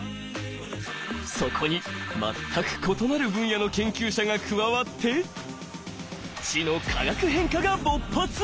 そこに全く異なる分野の研究者が加わって知の化学変化が勃発！